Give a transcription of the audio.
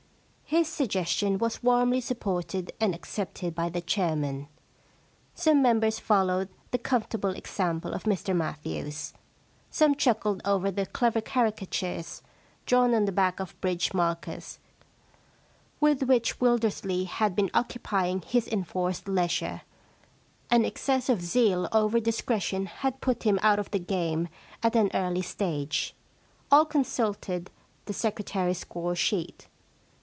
His suggestion was warmly supported and accepted by the chairman. Some members followed the comfortable example of Mr Matthews. Some chuckled over the clever caricatures, drawn on the back of bridge markers, with which Wildersley had been occupying his enforced leisure ; an excess of zeal over discretion had put him out of the game at an early stage. All consulted the secretary's score sheet.